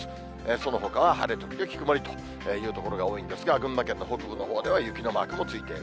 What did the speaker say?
そのほかは晴れ時々曇りという所が多いんですが、群馬県の北部のほうでは雪のマークもついている。